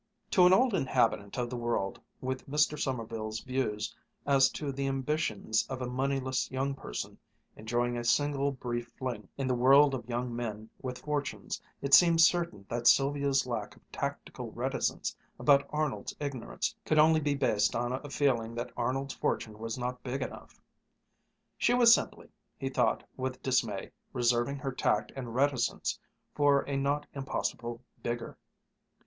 To an old inhabitant of the world, with Mr. Sommerville's views as to the ambitions of a moneyless young person, enjoying a single, brief fling in the world of young men with fortunes, it seemed certain that Sylvia's lack of tactful reticence about Arnold's ignorance could only be based on a feeling that Arnold's fortune was not big enough. She was simply, he thought with dismay, reserving her tact and reticence for a not impossible bigger.